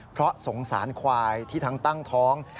เพราะสงสารควายที่ทั้งตั้งท้อง